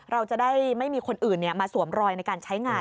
เราจะได้ไม่มีคนอื่นมาสวมรอยในการใช้งาน